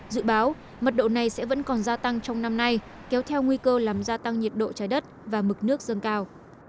dự báo mật độ này sẽ vẫn còn gia tăng trong năm nay kéo theo nguy cơ làm gia tăng nhiệt độ trái đất và mực nước dâng cao